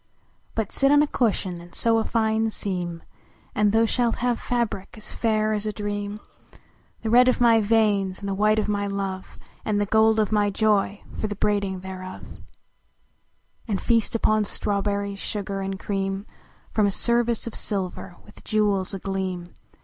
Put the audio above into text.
But sit on a cushion and sew a fine seam, And thou shalt have fabric as fair as a dream, The red of my veins, and the white of my love, And the gold of my joy for the braiding thereof, And feast upon strawberries, sugar and cream From a service of silver, with jewels agleam.